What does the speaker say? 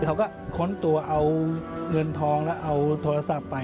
เขาก็ค้นตัวเอาเงินทองแล้วเอาโทรศัพท์ไป